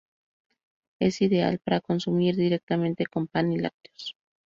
Es ideal para consumir directamente con pan y lácteos.